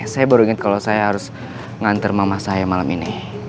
saya baru ingat kalau saya harus nganter mama saya malam ini